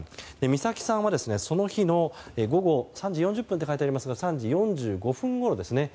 美咲さんは、その日の午後３時４０分と書いてありますが３時４５分ごろですね。